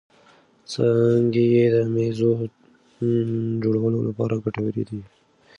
څانګې یې د مېزو جوړولو لپاره ګټورې دي.